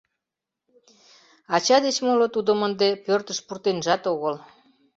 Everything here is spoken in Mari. Ача деч моло тудым ынде пӧртыш пуртенжат огыл.